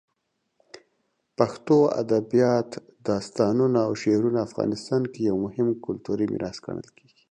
پښتو ادبیات، داستانونه، او شعرونه افغانستان کې یو مهم کلتوري میراث ګڼل کېږي.